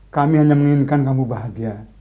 kami hanya menginginkan kamu bahagia